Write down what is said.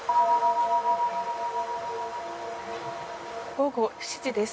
午後７時です。